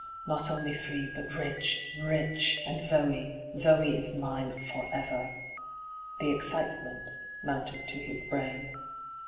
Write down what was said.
' Not only free — but rich — rich I And Zoe— Zoe is mine — for ever 1' The excitement mounted to his brain.